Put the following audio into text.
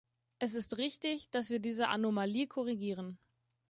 Es ist richtig, dass wir diese Anomalie korrigieren.